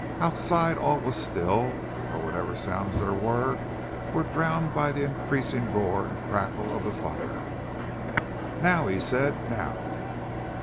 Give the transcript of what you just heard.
Outside all was still or whatever sounds there were were drowned by the increasing roar and crackle of the fire. "Now!" he said. "Now!"